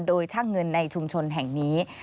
โดยช่างเงินในชุมชนแห่งนี้